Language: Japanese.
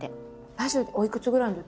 ラジオおいくつぐらいのときに。